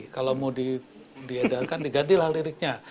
kalau mau diedarkan digantilah liriknya